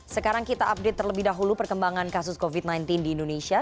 sekarang kita update terlebih dahulu perkembangan kasus covid sembilan belas di indonesia